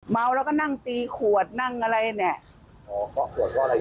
เมาแล้วก็นั่งตีขวดนั่งอะไรเนี่ย